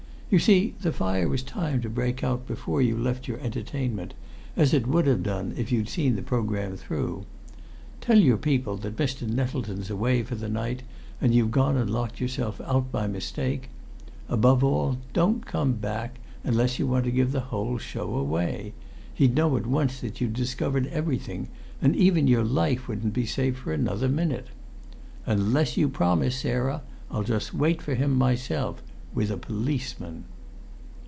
You see, the fire was timed to break out before you left your entertainment, as it would have done if you'd seen the programme through. Tell your people that Mr. Nettleton's away for the night, and you've gone and locked yourself out by mistake. Above all, don't come back, unless you want to give the whole show away; he'd know at once that you'd discovered everything, and even your life wouldn't be safe for another minute. Unless you promise, Sarah, I'll just wait for him myself with a policeman!"